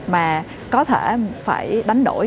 mà có thể phải đánh đổi